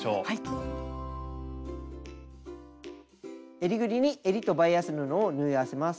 えりぐりにえりとバイアス布を縫い合わせます。